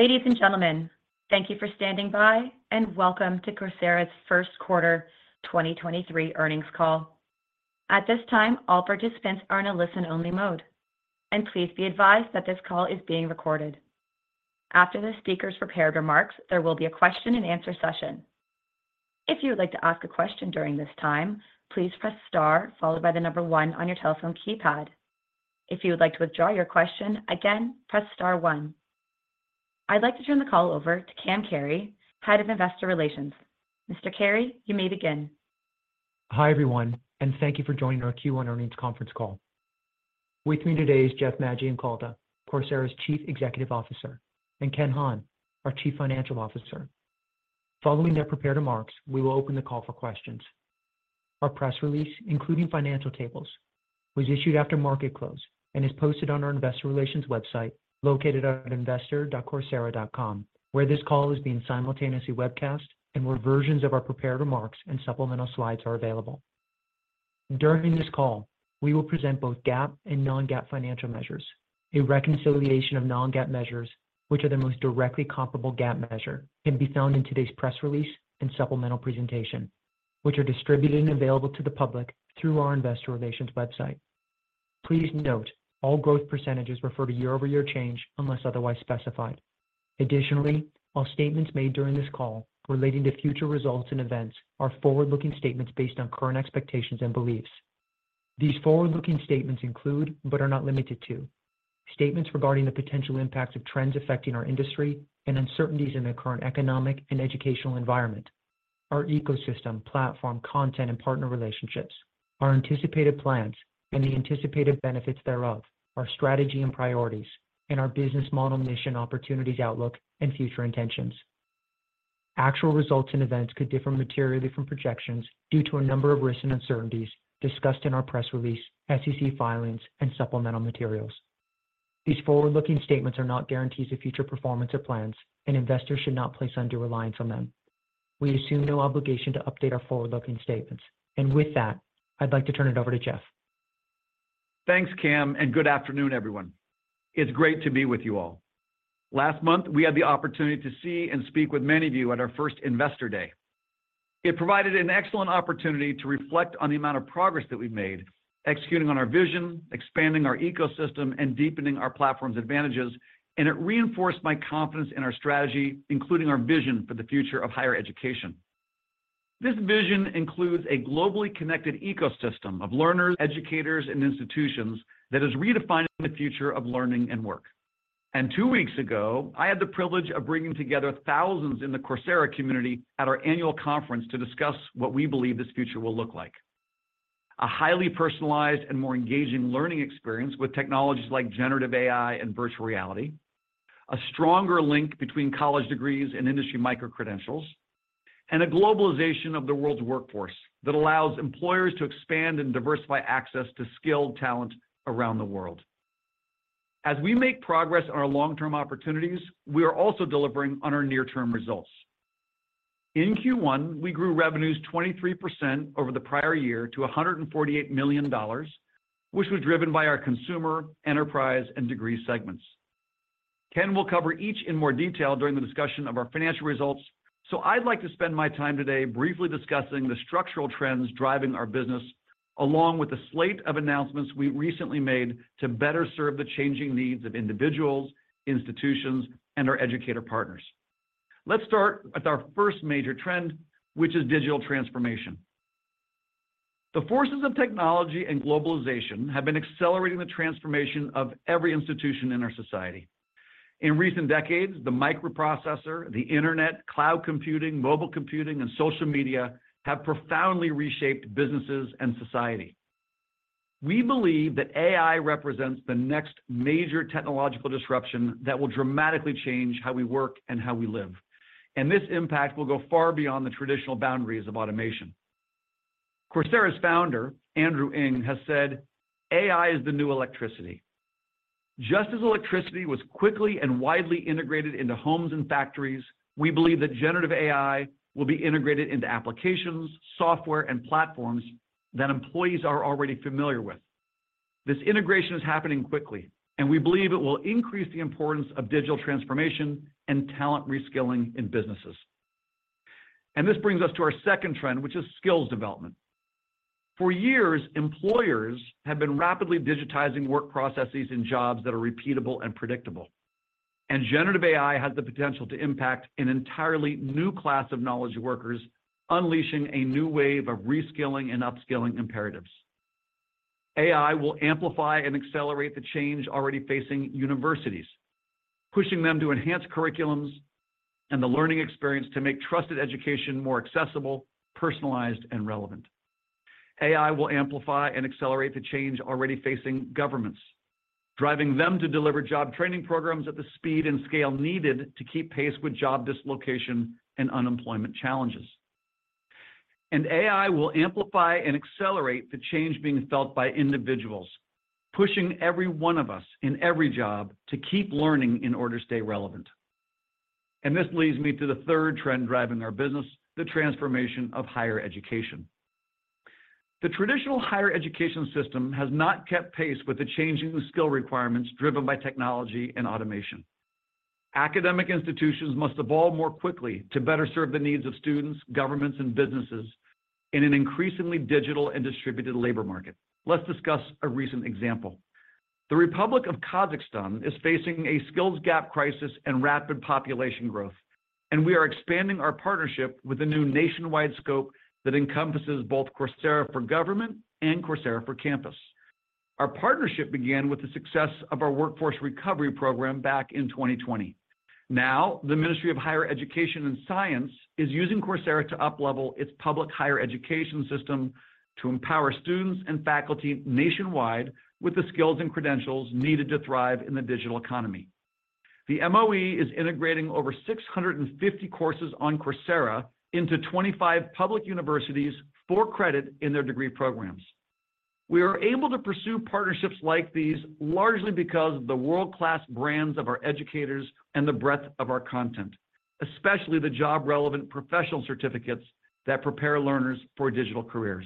Ladies and gentlemen, thank you for standing by and welcome to Coursera's first quarter 2023 earnings call. At this time, all participants are in a listen-only mode, and please be advised that this call is being recorded. After the speakers' prepared remarks, there will be a question and answer session. If you would like to ask a question during this time, please press star followed by the number 1 on your telephone keypad. If you would like to withdraw your question, again, press star 1. I'd like to turn the call over to Cam Carey, Head of Investor Relations. Mr. Carey, you may begin. Hi, everyone. Thank you for joining our Q1 earnings conference call. With me today is Jeff Maggioncalda, Coursera's Chief Executive Officer, and Ken Hahn, our Chief Financial Officer. Following their prepared remarks, we will open the call for questions. Our press release, including financial tables, was issued after market close and is posted on our investor relations website located at investor.coursera.com, where this call is being simultaneously webcast and where versions of our prepared remarks and supplemental slides are available. During this call, we will present both GAAP and non-GAAP financial measures. A reconciliation of non-GAAP measures, which are the most directly comparable GAAP measure, can be found in today's press release and supplemental presentation, which are distributed and available to the public through our investor relations website. Please note all growth % refer to year-over-year change unless otherwise specified. Additionally, all statements made during this call relating to future results and events are forward-looking statements based on current expectations and beliefs. These forward-looking statements include, but are not limited to, statements regarding the potential impacts of trends affecting our industry and uncertainties in the current economic and educational environment, our ecosystem, platform, content, and partner relationships, our anticipated plans and the anticipated benefits thereof, our strategy and priorities, and our business model, mission, opportunities, outlook, and future intentions. Actual results and events could differ materially from projections due to a number of risks and uncertainties discussed in our press release, SEC filings, and supplemental materials. These forward-looking statements are not guarantees of future performance or plans, and investors should not place undue reliance on them. We assume no obligation to update our forward-looking statements. With that, I'd like to turn it over to Jeff. Thanks, Cam, and good afternoon, everyone. It's great to be with you all. Last month, we had the opportunity to see and speak with many of you at our first Investor Day. It provided an excellent opportunity to reflect on the amount of progress that we've made executing on our vision, expanding our ecosystem, and deepening our platform's advantages. It reinforced my confidence in our strategy, including our vision for the future of higher education. This vision includes a globally connected ecosystem of learners, educators, and institutions that is redefining the future of learning and work. Two weeks ago, I had the privilege of bringing together thousands in the Coursera community at our annual conference to discuss what we believe this future will look like. A highly personalized and more engaging learning experience with technologies like generative AI and virtual reality. A stronger link between college degrees and industry microcredentials. A globalization of the world's workforce that allows employers to expand and diversify access to skilled talent around the world. As we make progress on our long-term opportunities, we are also delivering on our near-term results. In Q1, we grew revenues 23% over the prior year to $148 million, which was driven by our consumer, enterprise, and degree segments. Ken will cover each in more detail during the discussion of our financial results. I'd like to spend my time today briefly discussing the structural trends driving our business, along with the slate of announcements we recently made to better serve the changing needs of individuals, institutions, and our educator partners. Let's start with our first major trend, which is digital transformation. The forces of technology and globalization have been accelerating the transformation of every institution in our society. In recent decades, the microprocessor, the internet, cloud computing, mobile computing, and social media have profoundly reshaped businesses and society. We believe that AI represents the next major technological disruption that will dramatically change how we work and how we live. This impact will go far beyond the traditional boundaries of automation. Coursera's founder, Andrew Ng, has said, "AI is the new electricity." Just as electricity was quickly and widely integrated into homes and factories, we believe that generative AI will be integrated into applications, software, and platforms that employees are already familiar with. This integration is happening quickly, and we believe it will increase the importance of digital transformation and talent reskilling in businesses. This brings us to our second trend, which is skills development. For years, employers have been rapidly digitizing work processes and jobs that are repeatable and predictable. Generative AI has the potential to impact an entirely new class of knowledge workers, unleashing a new wave of reskilling and upskilling imperatives. AI will amplify and accelerate the change already facing universities, pushing them to enhance curriculums and the learning experience to make trusted education more accessible, personalized, and relevant. AI will amplify and accelerate the change already facing governments, driving them to deliver job training programs at the speed and scale needed to keep pace with job dislocation and unemployment challenges. AI will amplify and accelerate the change being felt by individuals, pushing every one of us in every job to keep learning in order to stay relevant. This leads me to the third trend driving our business, the transformation of higher education. The traditional higher education system has not kept pace with the changing skill requirements driven by technology and automation. Academic institutions must evolve more quickly to better serve the needs of students, governments, and businesses in an increasingly digital and distributed labor market. Let's discuss a recent example. The Republic of Kazakhstan is facing a skills gap crisis and rapid population growth. We are expanding our partnership with a new nationwide scope that encompasses both Coursera for Government and Coursera for Campus. Our partnership began with the success of our workforce recovery program back in 2020. Now, the Ministry of Science and Higher Education is using Coursera to uplevel its public higher education system to empower students and faculty nationwide with the skills and credentials needed to thrive in the digital economy. The MOE is integrating over 650 courses on Coursera into 25 public universities for credit in their degree programs. We are able to pursue partnerships like these largely because of the world-class brands of our educators and the breadth of our content, especially the job-relevant professional certificates that prepare learners for digital careers.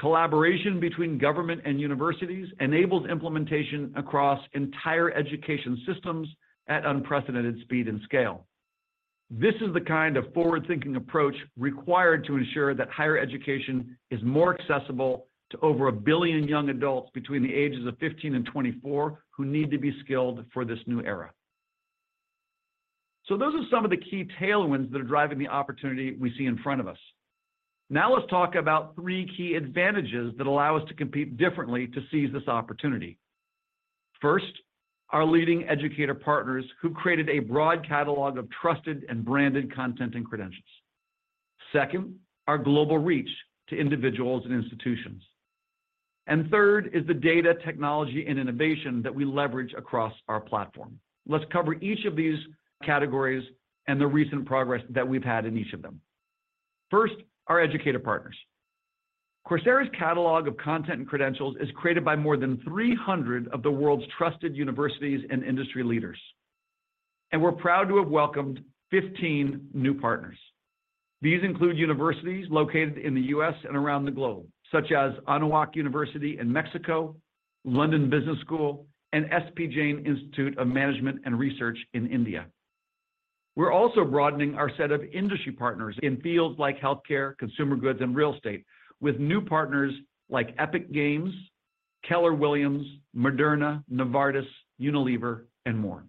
Collaboration between government and universities enables implementation across entire education systems at unprecedented speed and scale. This is the kind of forward-thinking approach required to ensure that higher education is more accessible to over 1 billion young adults between the ages of 15 and 24 who need to be skilled for this new era. Those are some of the key tailwinds that are driving the opportunity we see in front of us. Let's talk about three key advantages that allow us to compete differently to seize this opportunity. First, our leading educator partners who created a broad catalog of trusted and branded content and credentials. Second, our global reach to individuals and institutions. Third is the data technology and innovation that we leverage across our platform. Let's cover each of these categories and the recent progress that we've had in each of them. First, our educator partners. Coursera's catalog of content and credentials is created by more than 300 of the world's trusted universities and industry leaders. We're proud to have welcomed 15 new partners. These include universities located in the U.S. and around the globe, such as Anáhuac University in Mexico, London Business School, and S.P. Jain Institute of Management and Research in India. We're also broadening our set of industry partners in fields like healthcare, consumer goods, and real estate with new partners like Epic Games, Keller Williams, Moderna, Novartis, Unilever, and more.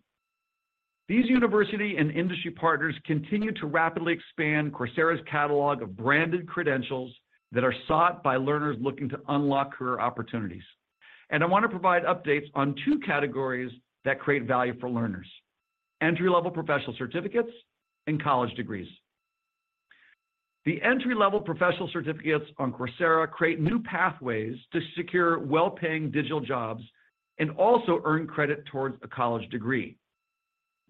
These university and industry partners continue to rapidly expand Coursera's catalog of branded credentials that are sought by learners looking to unlock career opportunities. I want to provide updates on two categories that create value for learners: entry-level professional certificates and college degrees. The entry-level professional certificates on Coursera create new pathways to secure well-paying digital jobs and also earn credit towards a college degree.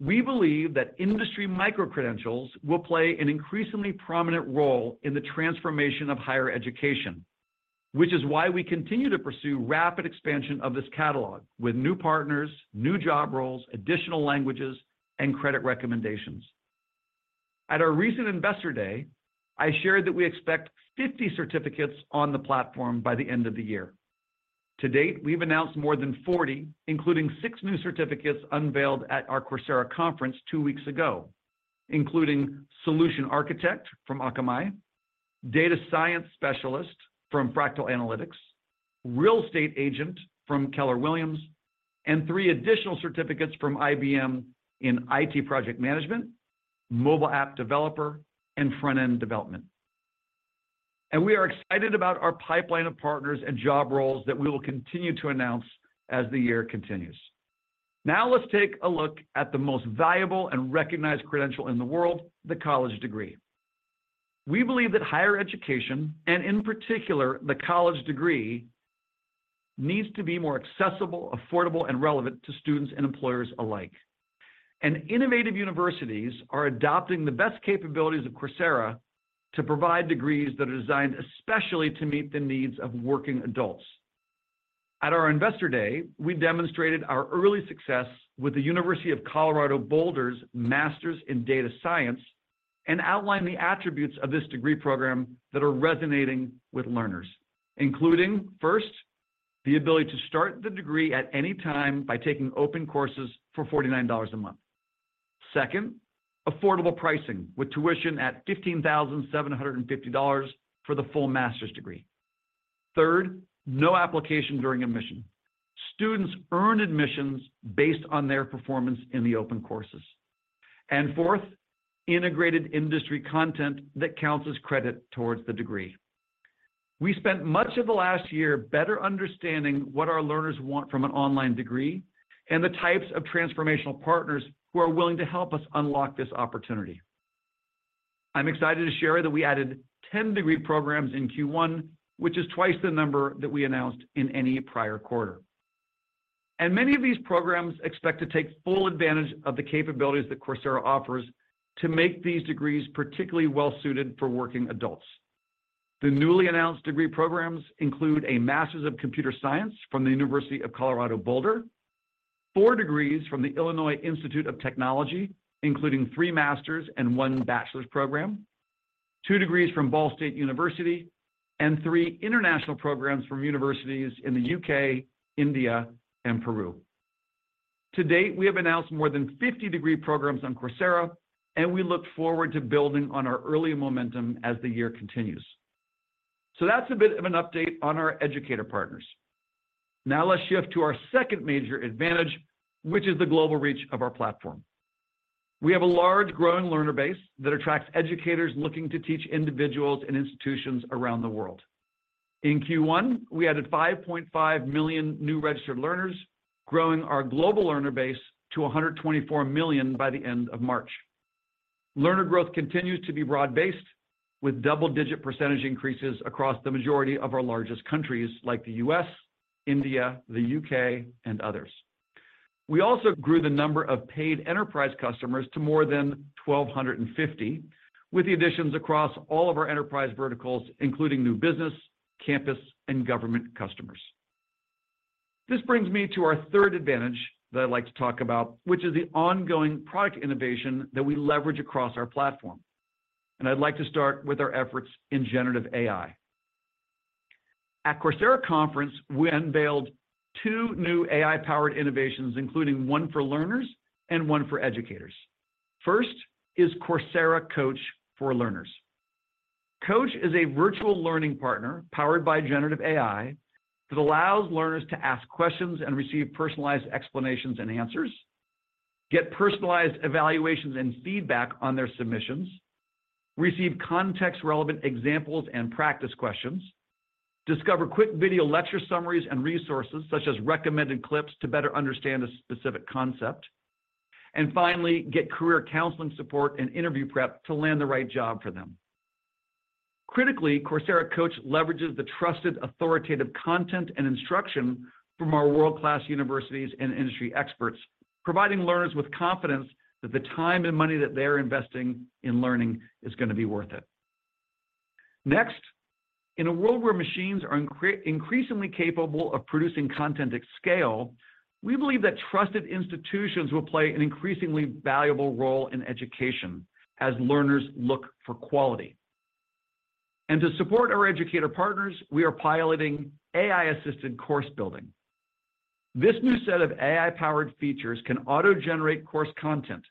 We believe that industry micro-credentials will play an increasingly prominent role in the transformation of higher education, which is why we continue to pursue rapid expansion of this catalog with new partners, new job roles, additional languages, and credit recommendations. At our recent Investor Day, I shared that we expect 50 certificates on the platform by the end of the year. To date, we've announced more than 40, including six new certificates unveiled at our Coursera conference two weeks ago, including Solution Architect from Akamai, Data Science Specialist from Fractal Analytics, Real Estate Agent from Keller Williams, and three additional certificates from IBM in IT Project Management, Mobile App Developer, and Front-End Development. We are excited about our pipeline of partners and job roles that we will continue to announce as the year continues. Now let's take a look at the most valuable and recognized credential in the world, the college degree. Innovative universities are adopting the best capabilities of Coursera to provide degrees that are designed especially to meet the needs of working adults. At our Investor Day, we demonstrated our early success with the University of Colorado Boulder's Master's in Data Science and outlined the attributes of this degree program that are resonating with learners, including, first, the ability to start the degree at any time by taking open courses for $49 a month. Second, affordable pricing with tuition at $15,750 for the full master's degree. Third, no application during admission. Students earn admissions based on their performance in the open courses. Fourth, integrated industry content that counts as credit towards the degree. We spent much of the last year better understanding what our learners want from an online degree and the types of transformational partners who are willing to help us unlock this opportunity. I'm excited to share that we added 10 degree programs in Q1, which is twice the number that we announced in any prior quarter. Many of these programs expect to take full advantage of the capabilities that Coursera offers to make these degrees particularly well suited for working adults. The newly announced degree programs include a Master's of Computer Science from the University of Colorado Boulder. 4 degrees from the Illinois Institute of Technology, including 3 master's and 1 bachelor's program, 2 degrees from Ball State University, and 3 international programs from universities in the U.K., India, and Peru. To date, we have announced more than 50 degree programs on Coursera, and we look forward to building on our early momentum as the year continues. That's a bit of an update on our educator partners. Let's shift to our second major advantage, which is the global reach of our platform. We have a large, growing learner base that attracts educators looking to teach individuals in institutions around the world. In Q1, we added 5.5 million new registered learners, growing our global learner base to 124 million by the end of March. Learner growth continues to be broad-based with double-digit percentage increases across the majority of our largest countries like the U.S., India, the U.K., and others. We also grew the number of paid enterprise customers to more than 1,250 with the additions across all of our enterprise verticals, including new business, campus, and government customers. This brings me to our third advantage that I'd like to talk about, which is the ongoing product innovation that we leverage across our platform. I'd like to start with our efforts in generative AI. At Coursera Conference, we unveiled two new AI-powered innovations, including one for learners and one for educators. First is Coursera Coach for learners. Coach is a virtual learning partner powered by generative AI that allows learners to ask questions and receive personalized explanations and answers, get personalized evaluations and feedback on their submissions, receive context-relevant examples and practice questions, discover quick video lecture summaries and resources such as recommended clips to better understand a specific concept, and finally, get career counseling support and interview prep to land the right job for them. Critically, Coursera Coach leverages the trusted, authoritative content and instruction from our world-class universities and industry experts, providing learners with confidence that the time and money that they're investing in learning is gonna be worth it. In a world where machines are increasingly capable of producing content at scale, we believe that trusted institutions will play an increasingly valuable role in education as learners look for quality. To support our educator partners, we are piloting AI-assisted course building. This new set of AI-powered features can auto-generate course content,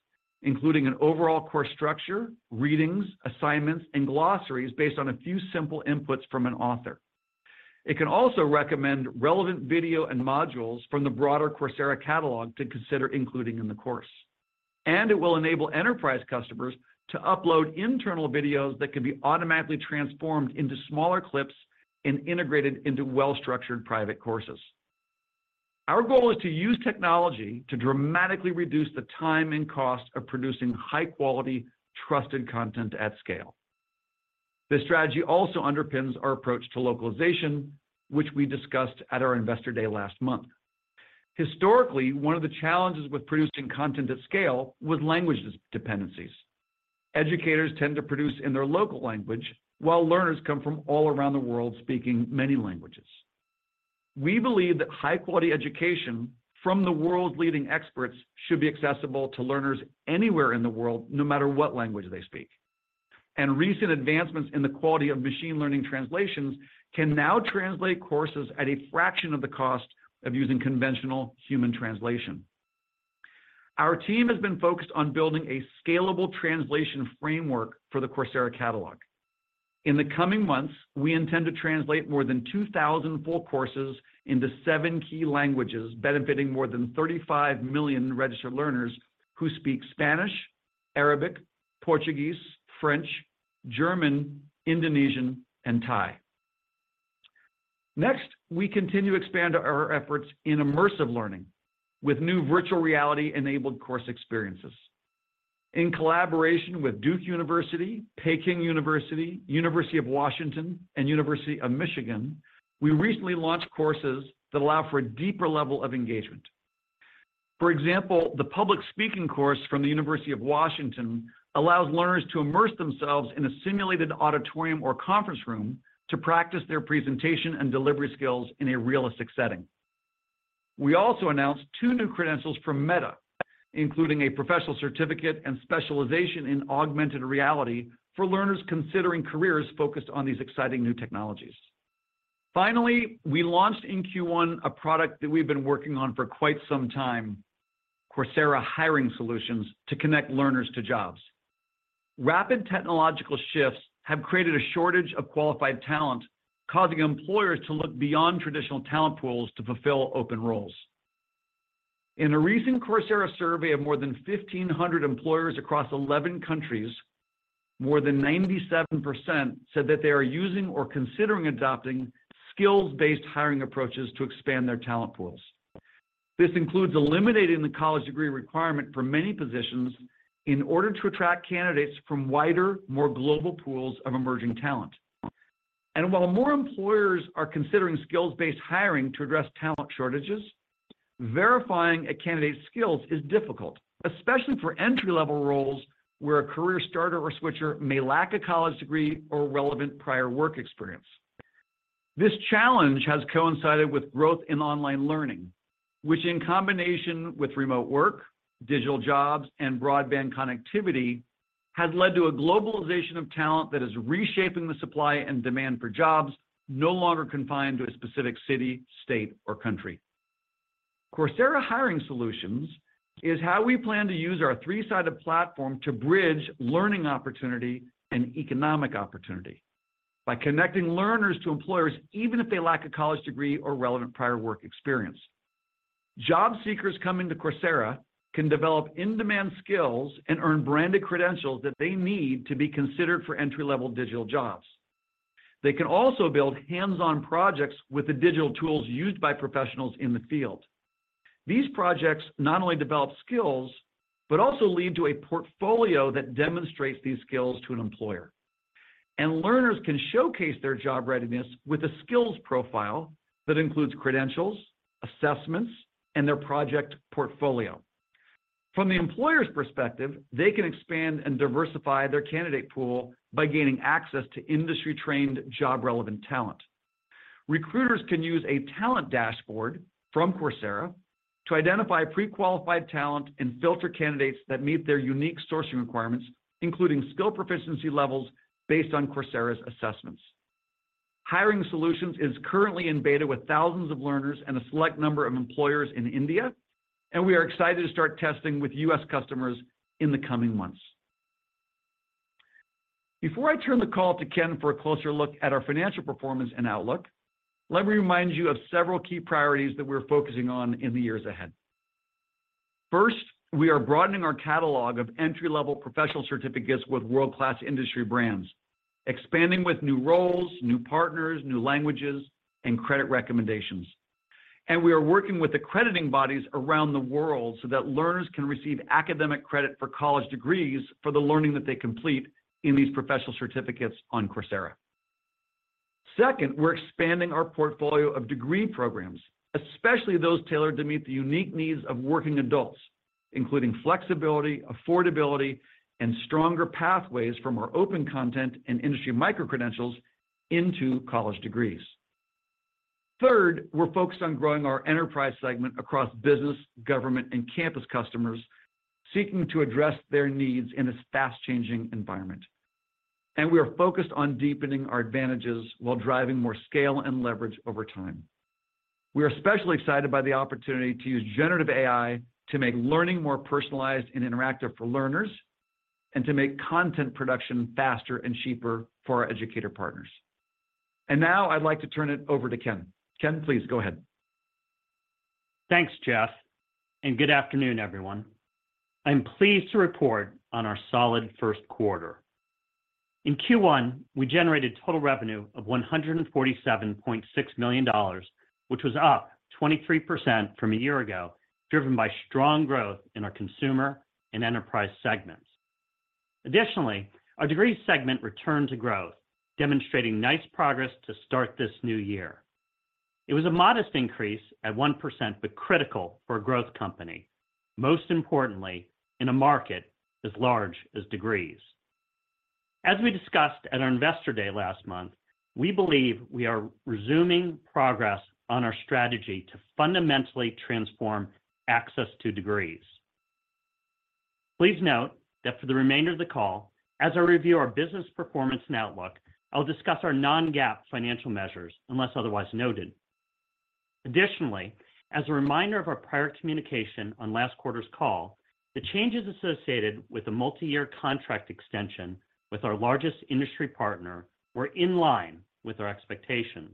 including an overall course structure, readings, assignments, and glossaries based on a few simple inputs from an author. It can also recommend relevant video and modules from the broader Coursera catalog to consider including in the course. It will enable enterprise customers to upload internal videos that can be automatically transformed into smaller clips and integrated into well-structured private courses. Our goal is to use technology to dramatically reduce the time and cost of producing high-quality, trusted content at scale. This strategy also underpins our approach to localization, which we discussed at our Investor Day last month. Historically, one of the challenges with producing content at scale was language de-dependencies. Educators tend to produce in their local language while learners come from all around the world speaking many languages. We believe that high-quality education from the world's leading experts should be accessible to learners anywhere in the world, no matter what language they speak. Recent advancements in the quality of machine learning translations can now translate courses at a fraction of the cost of using conventional human translation. Our team has been focused on building a scalable translation framework for the Coursera catalog. In the coming months, we intend to translate more than 2,000 full courses into seven key languages, benefiting more than 35 million registered learners who speak Spanish, Arabic, Portuguese, French, German, Indonesian, and Thai. Next, we continue to expand our efforts in immersive learning with new virtual reality-enabled course experiences. In collaboration with Duke University, Peking University, University of Washington, and University of Michigan, we recently launched courses that allow for a deeper level of engagement. For example, the public speaking course from the University of Washington allows learners to immerse themselves in a simulated auditorium or conference room to practice their presentation and delivery skills in a realistic setting. We also announced two new credentials from Meta, including a professional certificate and specialization in augmented reality for learners considering careers focused on these exciting new technologies. Finally, we launched in Q1 a product that we've been working on for quite some time, Coursera Hiring Solutions, to connect learners to jobs. Rapid technological shifts have created a shortage of qualified talent, causing employers to look beyond traditional talent pools to fulfill open roles. In a recent Coursera survey of more than 1,500 employers across 11 countries, more than 97% said that they are using or considering adopting skills-based hiring approaches to expand their talent pools. This includes eliminating the college degree requirement for many positions in order to attract candidates from wider, more global pools of emerging talent. While more employers are considering skills-based hiring to address talent shortages, verifying a candidate's skills is difficult, especially for entry-level roles where a career starter or switcher may lack a college degree or relevant prior work experience. This challenge has coincided with growth in online learning which in combination with remote work, digital jobs, and broadband connectivity has led to a globalization of talent that is reshaping the supply and demand for jobs no longer confined to a specific city, state, or country. Coursera Hiring Solutions is how we plan to use our three-sided platform to bridge learning opportunity and economic opportunity by connecting learners to employers, even if they lack a college degree or relevant prior work experience. Job seekers coming to Coursera can develop in-demand skills and earn branded credentials that they need to be considered for entry-level digital jobs. They can also build hands-on projects with the digital tools used by professionals in the field. These projects not only develop skills but also lead to a portfolio that demonstrates these skills to an employer. Learners can showcase their job readiness with a skills profile that includes credentials, assessments, and their project portfolio. From the employer's perspective, they can expand and diversify their candidate pool by gaining access to industry-trained, job-relevant talent. Recruiters can use a talent dashboard from Coursera to identify pre-qualified talent and filter candidates that meet their unique sourcing requirements, including skill proficiency levels based on Coursera's assessments. Hiring Solutions is currently in beta with thousands of learners and a select number of employers in India, and we are excited to start testing with U.S. customers in the coming months. Before I turn the call to Ken for a closer look at our financial performance and outlook, let me remind you of several key priorities that we're focusing on in the years ahead. First, we are broadening our catalog of entry-level professional certificates with world-class industry brands, expanding with new roles, new partners, new languages and credit recommendations. We are working with accrediting bodies around the world so that learners can receive academic credit for college degrees for the learning that they complete in these professional certificates on Coursera. Second, we're expanding our portfolio of degree programs, especially those tailored to meet the unique needs of working adults, including flexibility, affordability, and stronger pathways from our open content and industry micro-credentials into college degrees. Third, we're focused on growing our enterprise segment across business, government, and campus customers seeking to address their needs in this fast-changing environment. We are focused on deepening our advantages while driving more scale and leverage over time. We are especially excited by the opportunity to use generative AI to make learning more personalized and interactive for learners and to make content production faster and cheaper for our educator partners. Now I'd like to turn it over to Ken. Ken, please go ahead. Thanks, Jeff. Good afternoon, everyone. I'm pleased to report on our solid first quarter. In Q1, we generated total revenue of $147.6 million, which was up 23% from a year ago, driven by strong growth in our consumer and enterprise segments. Our degree segment returned to growth, demonstrating nice progress to start this new year. It was a modest increase at 1%, but critical for a growth company, most importantly, in a market as large as degrees. As we discussed at our Investor Day last month, we believe we are resuming progress on our strategy to fundamentally transform access to degrees. Please note that for the remainder of the call, as I review our business performance and outlook, I'll discuss our non-GAAP financial measures unless otherwise noted. Additionally, as a reminder of our prior communication on last quarter's call, the changes associated with the multi-year contract extension with our largest industry partner were in line with our expectations.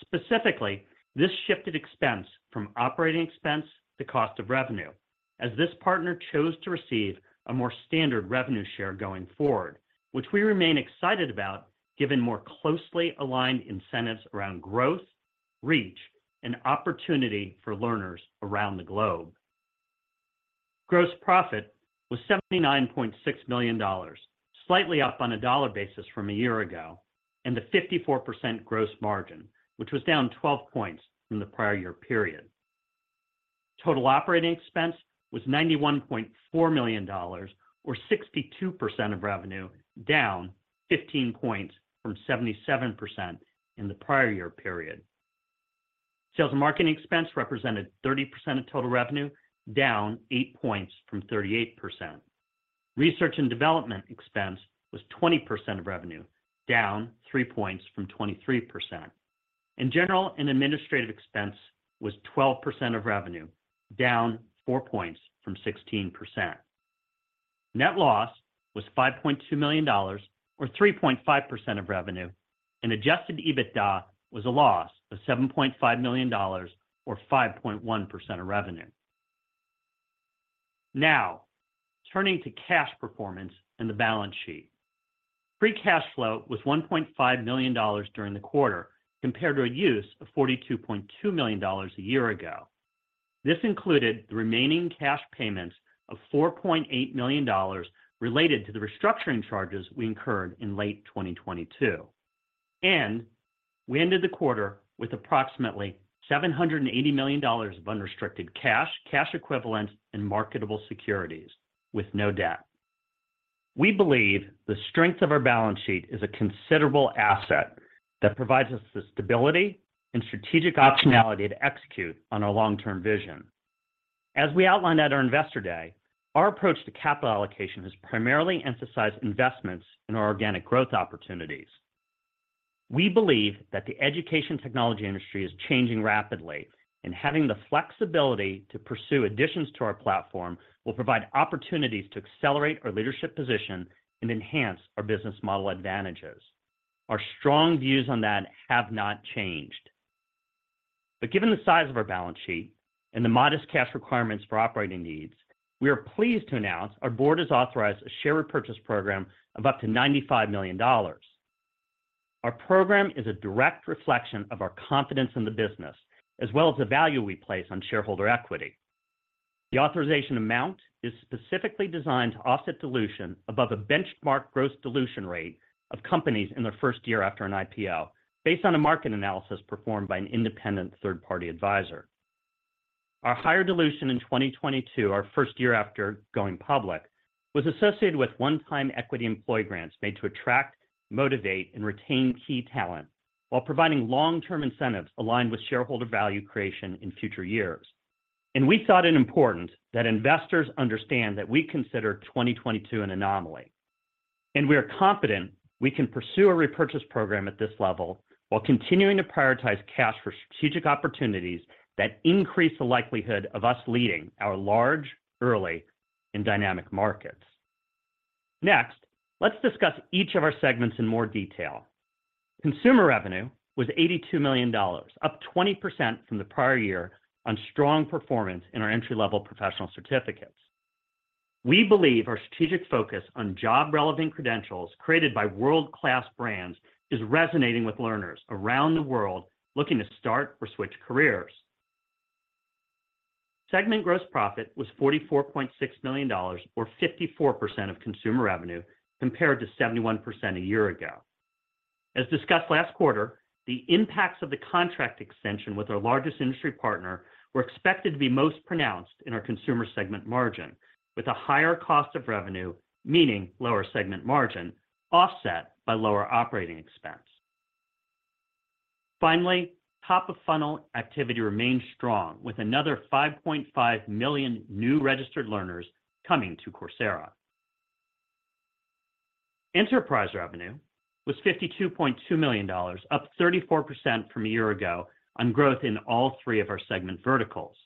Specifically, this shifted expense from operating expense to cost of revenue as this partner chose to receive a more standard revenue share going forward, which we remain excited about given more closely aligned incentives around growth, reach, and opportunity for learners around the globe. Gross profit was $79.6 million, slightly up on a dollar basis from a year ago and a 54% gross margin, which was down 12 points from the prior year period. Total operating expense was $91.4 million or 62% of revenue, down 15 points from 77% in the prior year period. Sales and marketing expense represented 30% of total revenue, down 8 points from 38%. Research and development expense was 20% of revenue, down 3 points from 23%. General and administrative expense was 12% of revenue, down 4 points from 16%. Net loss was $5.2 million or 3.5% of revenue, adjusted EBITDA was a loss of $7.5 million or 5.1% of revenue. Now, turning to cash performance and the balance sheet. Free cash flow was $1.5 million during the quarter compared to a use of $42.2 million a year ago. This included the remaining cash payments of $4.8 million related to the restructuring charges we incurred in late 2022. We ended the quarter with approximately $780 million of unrestricted cash equivalent, and marketable securities, with no debt. We believe the strength of our balance sheet is a considerable asset that provides us the stability and strategic optionality to execute on our long-term vision. As we outlined at our Investor Day, our approach to capital allocation has primarily emphasized investments in our organic growth opportunities. We believe that the education technology industry is changing rapidly, and having the flexibility to pursue additions to our platform will provide opportunities to accelerate our leadership position and enhance our business model advantages. Our strong views on that have not changed. Given the size of our balance sheet and the modest cash requirements for operating needs, we are pleased to announce our board has authorized a share repurchase program of up to $95 million. Our program is a direct reflection of our confidence in the business, as well as the value we place on shareholder equity. The authorization amount is specifically designed to offset dilution above a benchmark gross dilution rate of companies in their first year after an IPO, based on a market analysis performed by an independent third-party advisor. Our higher dilution in 2022, our first year after going public, was associated with one-time equity employee grants made to attract, motivate, and retain key talent while providing long-term incentives aligned with shareholder value creation in future years. We thought it important that investors understand that we consider 2022 an anomaly. We are confident we can pursue a repurchase program at this level while continuing to prioritize cash for strategic opportunities that increase the likelihood of us leading our large, early, and dynamic markets. Next, let's discuss each of our segments in more detail. Consumer revenue was $82 million, up 20% from the prior year on strong performance in our entry-level Professional Certificates. We believe our strategic focus on job-relevant credentials created by world-class brands is resonating with learners around the world looking to start or switch careers. Segment gross profit was $44.6 million, or 54% of consumer revenue, compared to 71% a year ago. As discussed last quarter, the impacts of the contract extension with our largest industry partner were expected to be most pronounced in our consumer segment margin, with a higher cost of revenue, meaning lower segment margin, offset by lower operating expense. Finally, top-of-funnel activity remained strong, with another 5.5 million new registered learners coming to Coursera. Enterprise revenue was $52.2 million, up 34% from a year ago on growth in all three of our segment verticals.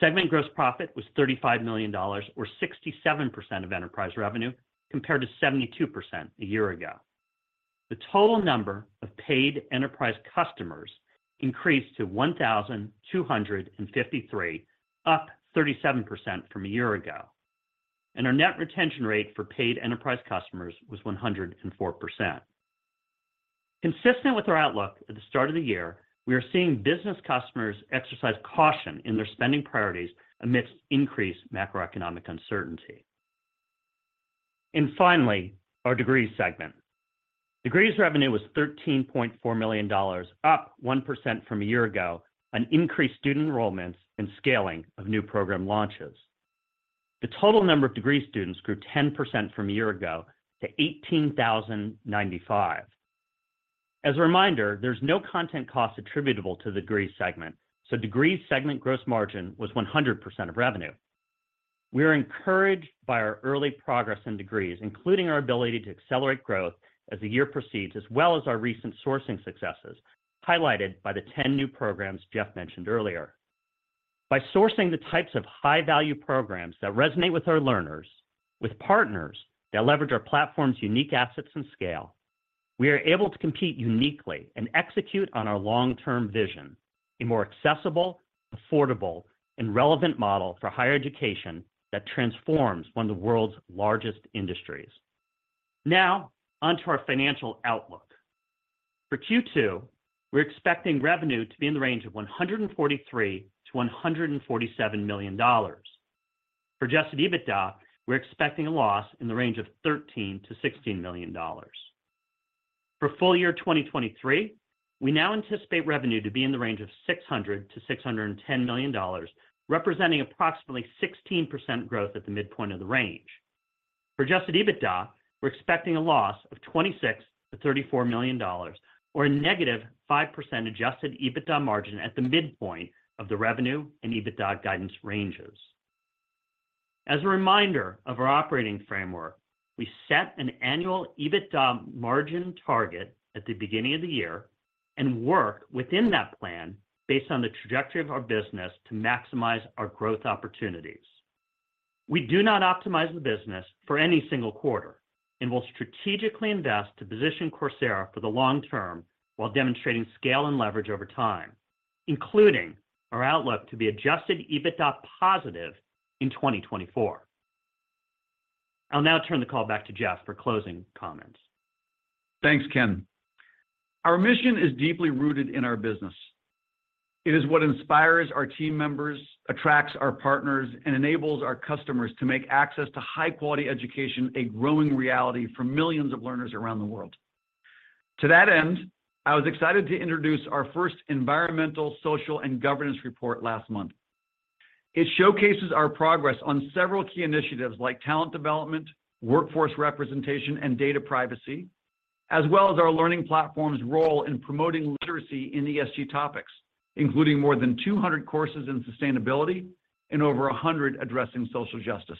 Segment gross profit was $35 million or 67% of enterprise revenue compared to 72% a year ago. The total number of paid enterprise customers increased to 1,253, up 37% from a year ago. Our net retention rate for paid enterprise customers was 104%. Consistent with our outlook at the start of the year, we are seeing business customers exercise caution in their spending priorities amidst increased macroeconomic uncertainty. Finally, our Degrees segment. Degrees revenue was $13.4 million, up 1% from a year ago on increased student enrollments and scaling of new program launches. The total number of degree students grew 10% from a year ago to 18,095. As a reminder, there's no content cost attributable to the Degrees segment, so Degrees segment gross margin was 100% of revenue. We are encouraged by our early progress in Degrees, including our ability to accelerate growth as the year proceeds, as well as our recent sourcing successes, highlighted by the 10 new programs Jeff mentioned earlier. By sourcing the types of high-value programs that resonate with our learners, with partners that leverage our platform's unique assets and scale, we are able to compete uniquely and execute on our long-term vision, a more accessible, affordable, and relevant model for higher education that transforms one of the world's largest industries. On to our financial outlook. For Q2, we're expecting revenue to be in the range of $143 million-$147 million. For adjusted EBITDA, we're expecting a loss in the range of $13 million-$16 million. For full year 2023, we now anticipate revenue to be in the range of $600 million-$610 million, representing approximately 16% growth at the midpoint of the range. For adjusted EBITDA, we're expecting a loss of $26 million-$34 million or a -5% adjusted EBITDA margin at the midpoint of the revenue and EBITDA guidance ranges. As a reminder of our operating framework, we set an annual EBITDA margin target at the beginning of the year and work within that plan based on the trajectory of our business to maximize our growth opportunities. We do not optimize the business for any single quarter and will strategically invest to position Coursera for the long term while demonstrating scale and leverage over time, including our outlook to be adjusted EBITDA positive in 2024. I'll now turn the call back to Jeff for closing comments. Thanks, Ken. Our mission is deeply rooted in our business. It is what inspires our team members, attracts our partners, and enables our customers to make access to high-quality education a growing reality for millions of learners around the world. To that end, I was excited to introduce our first environmental, social, and governance report last month. It showcases our progress on several key initiatives like talent development, workforce representation, and data privacy, as well as our learning platform's role in promoting literacy in ESG topics, including more than 200 courses in sustainability and over 100 addressing social justice.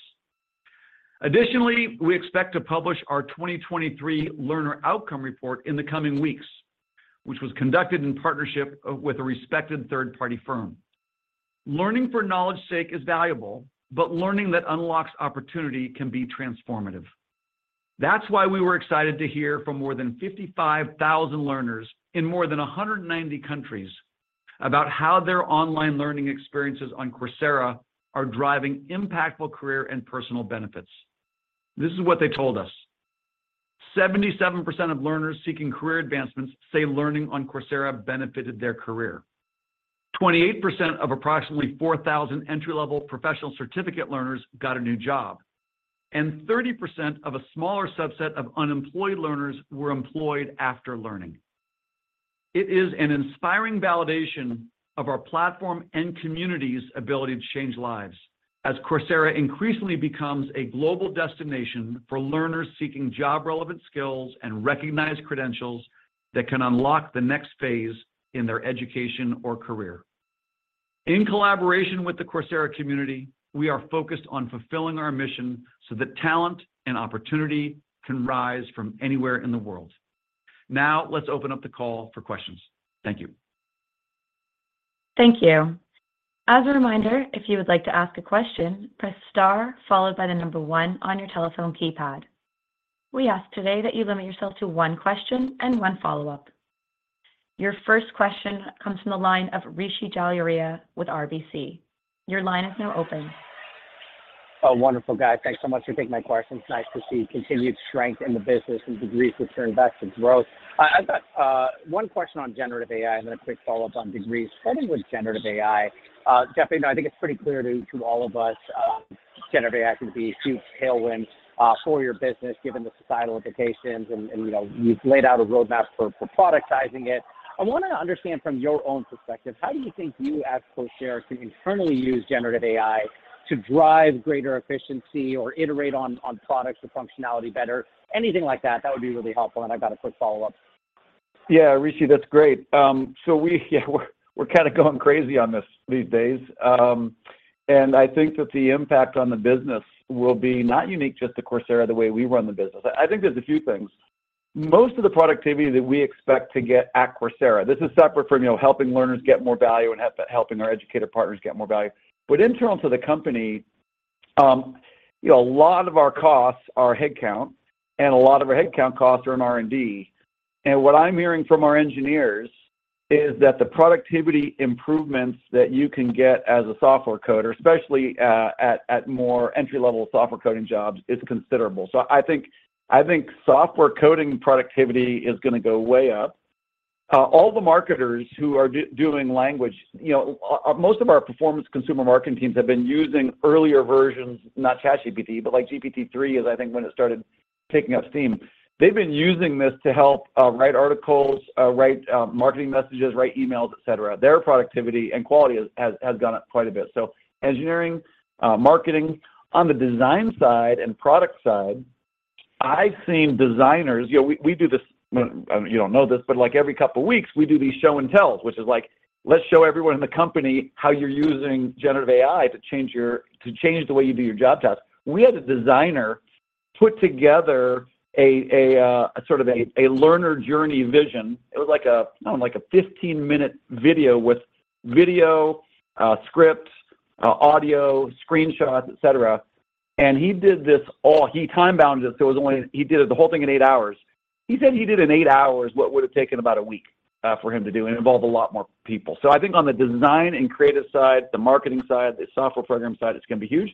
Additionally, we expect to publish our 2023 learner outcome report in the coming weeks, which was conducted in partnership with a respected third-party firm. Learning for knowledge sake is valuable, but learning that unlocks opportunity can be transformative. That's why we were excited to hear from more than 55,000 learners in more than 190 countries about how their online learning experiences on Coursera are driving impactful career and personal benefits. This is what they told us. 77% of learners seeking career advancements say learning on Coursera benefited their career. 28% of approximately 4,000 entry-level professional certificate learners got a new job, and 30% of a smaller subset of unemployed learners were employed after learning. It is an inspiring validation of our platform and community's ability to change lives as Coursera increasingly becomes a global destination for learners seeking job-relevant skills and recognized credentials that can unlock the next phase in their education or career. In collaboration with the Coursera community, we are focused on fulfilling our mission so that talent and opportunity can rise from anywhere in the world. Let's open up the call for questions. Thank you. Thank you. As a reminder, if you would like to ask a question, press star followed by the number 1 on your telephone keypad. We ask today that you limit yourself to 1 question and 1 follow-up. Your first question comes from the line of Rishi Jaluria with RBC. Your line is now open. Oh, wonderful, guys. Thanks so much for taking my questions. Nice to see continued strength in the business and degrees return back to growth. I've got one question on generative AI and then a quick follow-up on degrees. Starting with generative AI, definitely, you know, I think it's pretty clear to all of us, generative AI can be a huge tailwind for your business given the societal implications and, you know, you've laid out a roadmap for productizing it. I wanna understand from your own perspective, how do you think you as Coursera can internally use generative AI to drive greater efficiency or iterate on products or functionality better? Anything like that would be really helpful. I've got a quick follow-up. Yeah, Rishi, that's great. We, yeah, we're kinda going crazy on this these days. I think that the impact on the business will be not unique just to Coursera, the way we run the business. I think there's a few things. Most of the productivity that we expect to get at Coursera, this is separate from, you know, helping learners get more value and helping our educator partners get more value. Internal to the company, you know, a lot of our costs are headcount, and a lot of our headcount costs are in R&D. What I'm hearing from our engineers is that the productivity improvements that you can get as a software coder, especially, at more entry-level software coding jobs, is considerable. I think software coding productivity is gonna go way up. All the marketers who are doing language, you know, most of our performance consumer marketing teams have been using earlier versions, not ChatGPT, but like GPT-3 is, I think, when it started picking up steam. They've been using this to help write articles, write marketing messages, write emails, et cetera. Their productivity and quality has gone up quite a bit. Engineering, marketing. On the design side and product side, I've seen designers, you know, well, you don't know this, but like every couple of weeks, we do these show and tells, which is like, let's show everyone in the company how you're using generative AI to change the way you do your job tasks. We had a designer put together a sort of a learner journey vision. It was like a, I don't know, like a 15-minute video with video, script, audio, screenshots, et cetera. He did this all. He time-bounded this, so it was only he did it the whole thing in eight hours. He said he did in eight hours what would've taken about a week for him to do and involve a lot more people. I think on the design and creative side, the marketing side, the software program side, it's gonna be huge.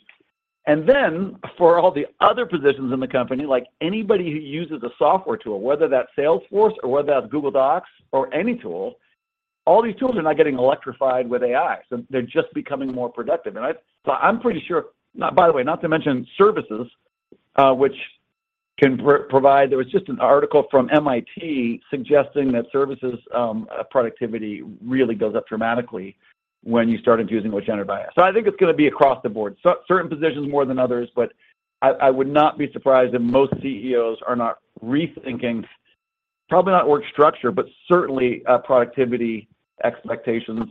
For all the other positions in the company, like anybody who uses a software tool, whether that's Salesforce or whether that's Google Docs or any tool, all these tools are now getting electrified with AI. They're just becoming more productive. I'm pretty sure, by the way, not to mention services, which can provide. There was just an article from MIT suggesting that services, productivity really goes up dramatically when you start infusing with generative AI. I think it's gonna be across the board. Certain positions more than others, but I would not be surprised if most CEOs are not rethinking probably not org structure, but certainly productivity expectations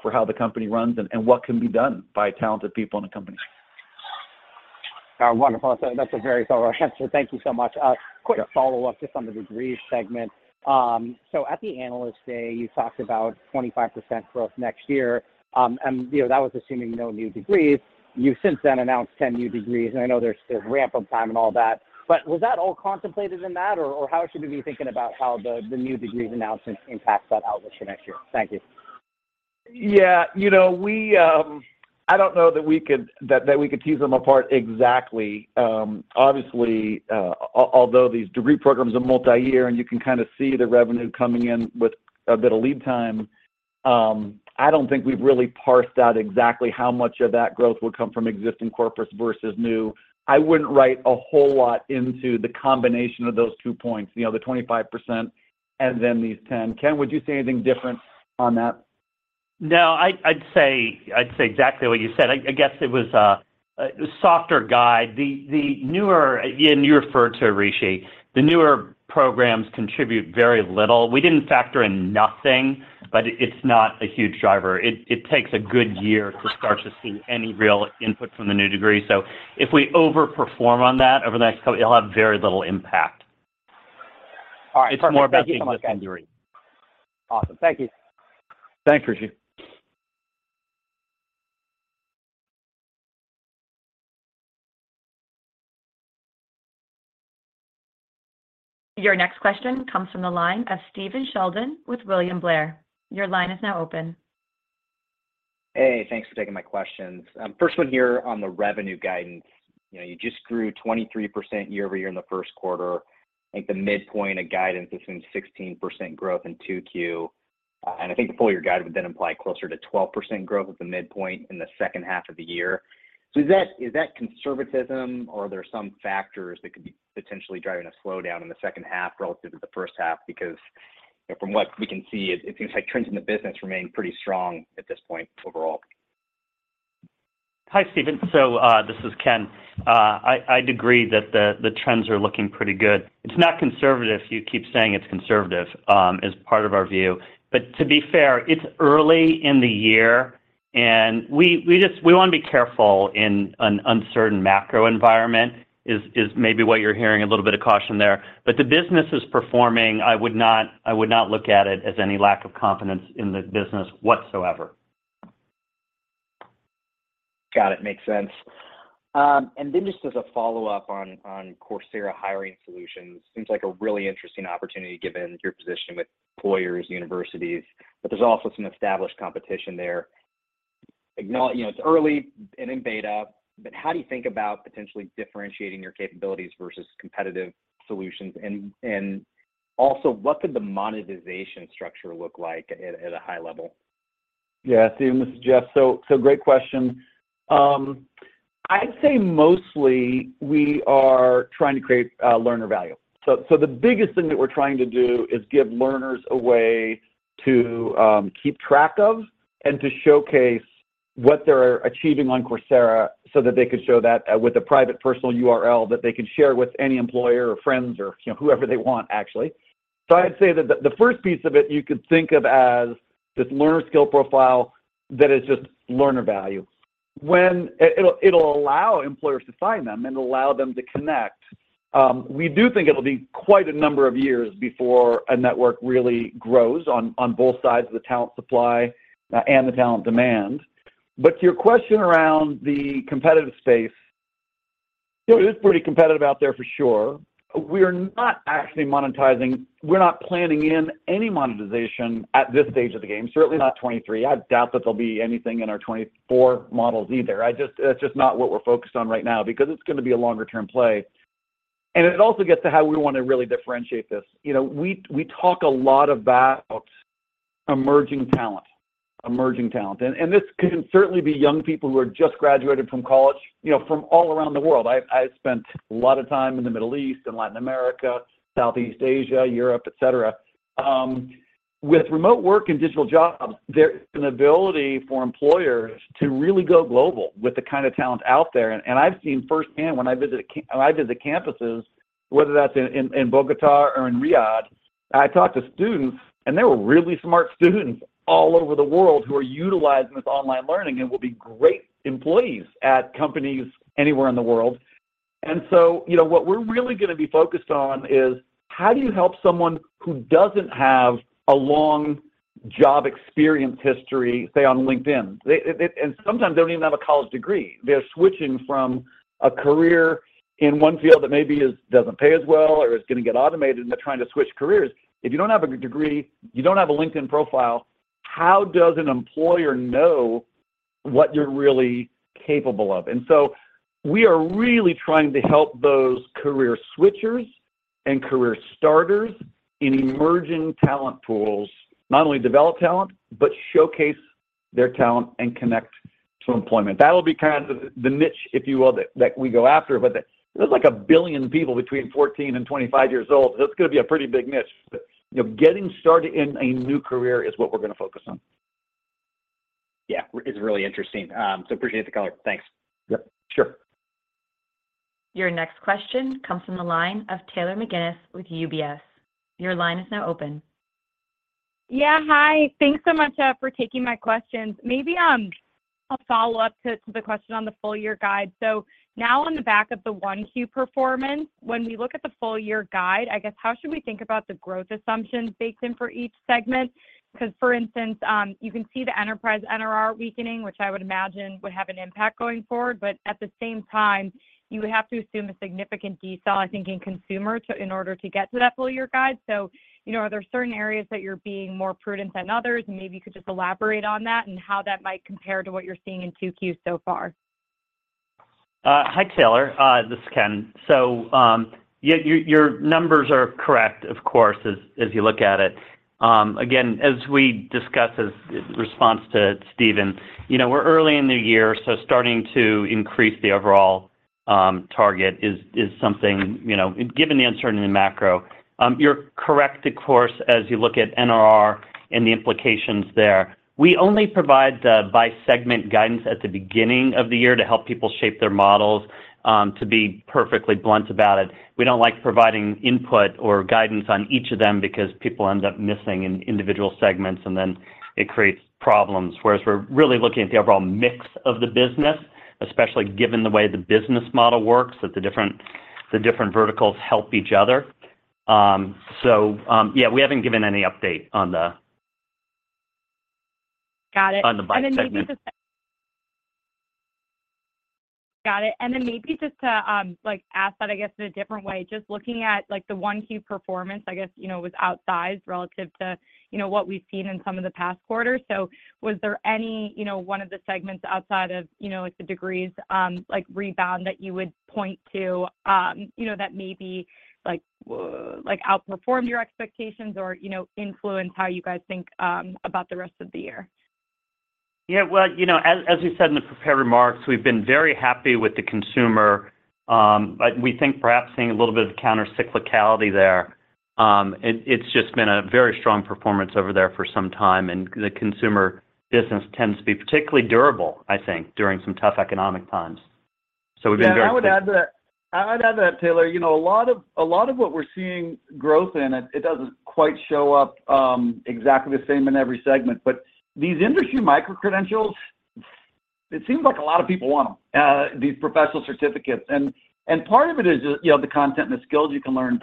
for how the company runs and what can be done by talented people in the company. Wonderful. That's a very thorough answer. Thank you so much. Yeah. Quick follow-up just on the degrees segment. At the Analyst Day, you talked about 25% growth next year. You know, that was assuming no new degrees. You've since then announced 10 new degrees, and I know there's ramp-up time and all that. Was that all contemplated in that, or how should we be thinking about how the new degrees announcement impacts that outlook for next year? Thank you. Yeah. You know, we, I don't know that we could tease them apart exactly. Obviously, although these degree programs are multi-year and you can kinda see the revenue coming in with a bit of lead time. I don't think we've really parsed out exactly how much of that growth would come from existing corporates versus new. I wouldn't write a whole lot into the combination of those two points, you know, the 25% and then these 10. Ken, would you say anything different on that? No, I'd say exactly what you said. I guess it was a softer guide. The newer, yeah, newer for it to appreciate. The newer programs contribute very little. We didn't factor in nothing, but it's not a huge driver. It takes a good year to start to see any real input from the new degree. If we over-perform on that over the next couple, it'll have very little impact. All right. Perfect. It's more about getting this degree. Awesome. Thank you. Thanks, Rishi. Your next question comes from the line of Stephen Sheldon with William Blair. Your line is now open. Hey, thanks for taking my questions. First one here on the revenue guidance. You know, you just grew 23% year-over-year in the first quarter. I think the midpoint of guidance is in 16% growth in 2Q. I think the full year guide would then imply closer to 12% growth at the midpoint in the second half of the year. Is that conservatism or are there some factors that could be potentially driving a slowdown in the second half relative to the first half? You know, from what we can see, it seems like trends in the business remain pretty strong at this point overall. Hi, Stephen. This is Ken. I'd agree that the trends are looking pretty good. It's not conservative. You keep saying it's conservative, as part of our view. To be fair, it's early in the year and we want to be careful in an uncertain macro environment. Is maybe what you're hearing a little bit of caution there. The business is performing. I would not look at it as any lack of confidence in the business whatsoever. Got it. Makes sense. Just as a follow-up on Coursera Hiring Solutions. Seems like a really interesting opportunity given your position with employers, universities, but there's also some established competition there. Acknowledge, you know, it's early and in beta, but how do you think about potentially differentiating your capabilities versus competitive solutions? And also, what could the monetization structure look like at a high level? Yeah. Stephen, this is Jeff. Great question. I'd say mostly we are trying to create learner value. The biggest thing that we're trying to do is give learners a way to keep track of and to showcase what they're achieving on Coursera so that they could show that with a private personal URL that they can share with any employer or friends or, you know, whoever they want, actually. I'd say that the first piece of it you could think of as this learner skill profile that is just learner value. It'll allow employers to find them and allow them to connect. We do think it'll be quite a number of years before a network really grows on both sides of the talent supply and the talent demand. To your question around the competitive space, it is pretty competitive out there for sure. We are not actually monetizing. We're not planning in any monetization at this stage of the game, certainly not 2023. I doubt that there'll be anything in our 2024 models either. It's just not what we're focused on right now because it's gonna be a longer term play. It also gets to how we wanna really differentiate this. You know, we talk a lot about emerging talent, emerging talent. This can certainly be young people who are just graduated from college, you know, from all around the world. I've spent a lot of time in the Middle East and Latin America, Southeast Asia, Europe, et cetera. With remote work and digital jobs, there's an ability for employers to really go global with the kind of talent out there. I've seen firsthand when I visit campuses, whether that's in Bogota or in Riyadh, I talk to students, and there were really smart students all over the world who are utilizing this online learning and will be great employees at companies anywhere in the world. You know, what we're really gonna be focused on is how do you help someone who doesn't have a long job experience history, say, on LinkedIn? Sometimes they don't even have a college degree. They're switching from a career in one field that maybe doesn't pay as well or is gonna get automated, and they're trying to switch careers. If you don't have a good degree, you don't have a LinkedIn profile, how does an employer know what you're really capable of? We are really trying to help those career switchers and career starters in emerging talent pools not only develop talent, but showcase their talent and connect to employment. That'll be kind of the niche, if you will, that we go after. There's like 1 billion people between 14 and 25 years old. That's gonna be a pretty big niche. You know, getting started in a new career is what we're gonna focus on. Yeah. It's really interesting. Appreciate the color. Thanks. Yep. Sure. Your next question comes from the line of Taylor McGinnis with UBS. Your line is now open. Yeah. Hi. Thanks so much for taking my questions. Maybe a follow-up to the question on the full year guide. Now on the back of the 1Q performance, when we look at the full year guide, I guess how should we think about the growth assumptions baked in for each segment? Because, for instance, you can see the enterprise NRR weakening, which I would imagine would have an impact going forward. At the same time, you would have to assume a significant I think in consumer in order to get to that full year guide. You know, are there certain areas that you're being more prudent than others? Maybe you could just elaborate on that and how that might compare to what you're seeing in 2Q so far. Hi, Taylor. This is Ken. Yeah, your numbers are correct, of course, as you look at it. Again, as we discussed as response to Stephen, you know, we're early in the year, so starting to increase the overall target is something, you know, given the uncertainty in macro, you're correct, of course, as you look at NRR and the implications there. We only provide the by segment guidance at the beginning of the year to help people shape their models, to be perfectly blunt about it. We don't like providing input or guidance on each of them because people end up missing in individual segments, and then it creates problems. Whereas we're really looking at the overall mix of the business, especially given the way the business model works, that the different verticals help each other. Yeah, we haven't given any update. Got it. on the by segment. Got it. Maybe just to, like ask that, I guess, in a different way, just looking at like the one key performance, I guess, you know, was outsized relative to, you know, what we've seen in some of the past quarters. Was there any, you know, one of the segments outside of, you know, like the degrees, like rebound that you would point to, you know, that maybe like outperformed your expectations or, you know, influence how you guys think, about the rest of the year? Yeah. Well, you know, as we said in the prepared remarks, we've been very happy with the consumer. We think perhaps seeing a little bit of countercyclicality there. It's just been a very strong performance over there for some time, and the consumer business tends to be particularly durable, I think, during some tough economic times. We've been. Yeah. I would add to that. I'd add that, Taylor, you know, a lot of what we're seeing growth in it doesn't quite show up, exactly the same in every segment. These industry micro-credentials, it seems like a lot of people want them, these professional certificates. Part of it is just, you know, the content and the skills you can learn.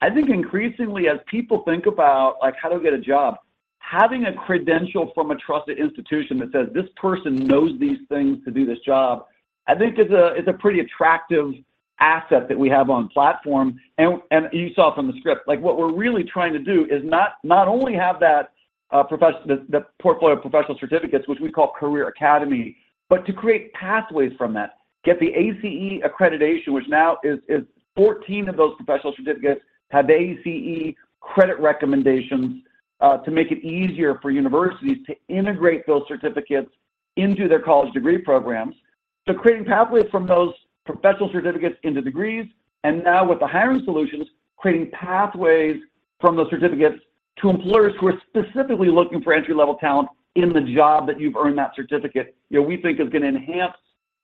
I think increasingly as people think about, like, how do I get a job, having a credential from a trusted institution that says, "This person knows these things to do this job," I think it's a, it's a pretty attractive asset that we have on platform. You saw it from the script. Like, what we're really trying to do is not only have that, the portfolio of professional certificates, which we call Career Academy, but to create pathways from that. Get the ACE accreditation, which now is 14 of those professional certificates have ACE credit recommendations, to make it easier for universities to integrate those certificates into their college degree programs. Creating pathways from those professional certificates into degrees, and now with the Hiring Solutions, creating pathways from those certificates to employers who are specifically looking for entry-level talent in the job that you've earned that certificate, you know, we think is gonna enhance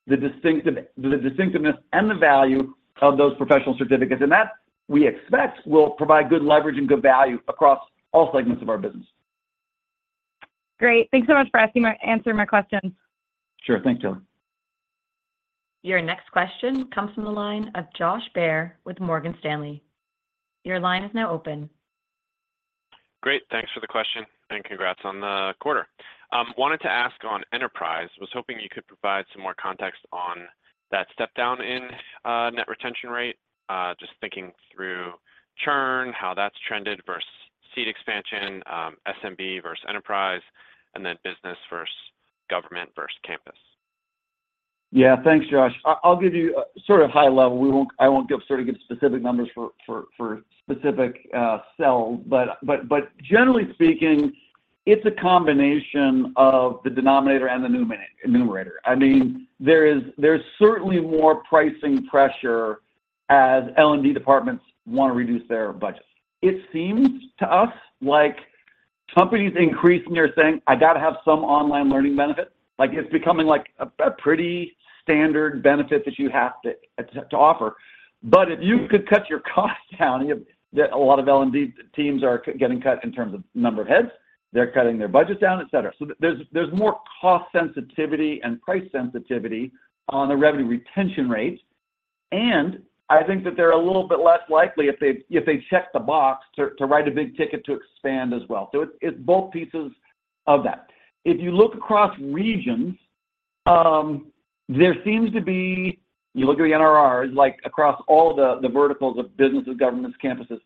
the distinctiveness and the value of those professional certificates. That, we expect, will provide good leverage and good value across all segments of our business. Great. Thanks so much for answering my questions. Sure. Thanks, Taylor. Your next question comes from the line of Josh Baer with Morgan Stanley. Your line is now open. Great. Thanks for the question. Congrats on the quarter. Wanted to ask on enterprise, was hoping you could provide some more context on that step-down in net retention rate. Just thinking through churn, how that's trended versus seat expansion, SMB versus enterprise, and then business versus government versus campus. Yeah. Thanks, Josh. I'll give you sort of high level. I won't give sort of specific numbers for specific sell. Generally speaking, it's a combination of the denominator and the numerator. I mean, there's certainly more pricing pressure as L&D departments wanna reduce their budgets. It seems to us like companies increasingly are saying, "I gotta have some online learning benefit." It's becoming like a pretty standard benefit that you have to offer. If you could cut your cost down, you have. A lot of L&D teams are getting cut in terms of number of heads. They're cutting their budgets down, et cetera. There's more cost sensitivity and price sensitivity on the revenue retention rates. I think that they're a little bit less likely if they, if they check the box to write a big ticket to expand as well. It's, it's both pieces of that. If you look across regions, you look at the NRR, like across all the verticals of businesses, governments, campuses,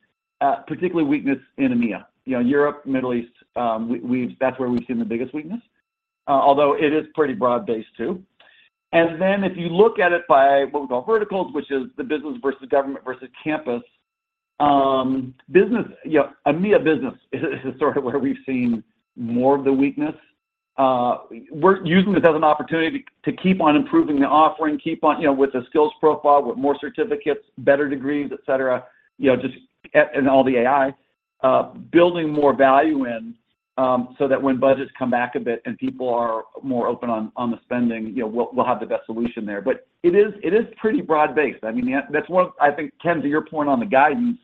particularly weakness in EMEA. You know, Europe, Middle East, that's where we've seen the biggest weakness, although it is pretty broad-based too. Then if you look at it by what we call verticals, which is the business versus government versus campus, business, you know, EMEA business is sort of where we've seen more of the weakness. We're using this as an opportunity to keep on improving the offering, keep on, you know, with the skills profile, with more certificates, better degrees, et cetera, you know, just, and all the AI, building more value in, so that when budgets come back a bit and people are more open on the spending, you know, we'll have the best solution there. It is pretty broad-based. I mean, yeah, I think, Ken, to your point on the guidance,